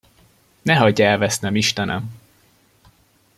Ne hagyj elvesznem, istenem!